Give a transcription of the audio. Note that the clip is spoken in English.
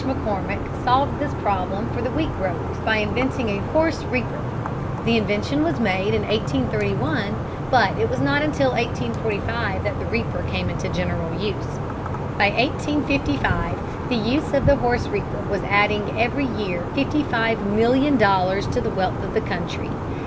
McCormick solved this problem for the wheat growers by inventing a horse reaper. The invention was made in 1831, but it was not until 1845 that the reaper came into general use. By 1855 the use of the horse reaper was adding every year fifty five million dollars to the wealth of the country.